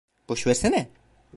Boş versene.